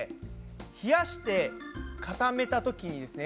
冷やして固めたときにですね